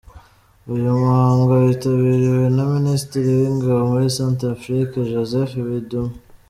Uyu muhango witabiriwe na Minisitiri w’Ingabo muri Centrafrique, Joseph Bindoume.